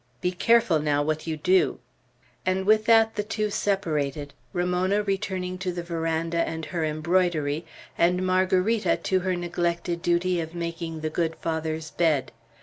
Be careful, now, what you do." And with that the two separated, Ramona returning to the veranda and her embroidery, and Margarita to her neglected duty of making the good Father's bed.